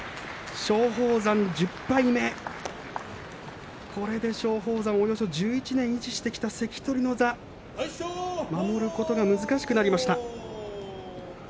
松鳳山１０敗目これで松鳳山１１年維持してきた関取の座守ることが難しくなってきました。